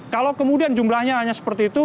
kalau kemudian jumlahnya hanya seperti itu